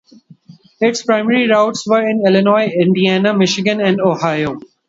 Its primary routes were in Illinois, Indiana, Michigan, and Ohio.